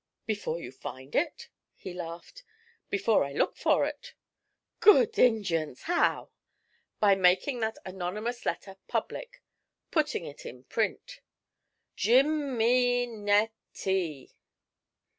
'Before you find it?' he laughed. 'Before I look for it.' 'Good Injuns! How?' 'By making that anonymous letter public putting it in print.' 'Jim me net ti!'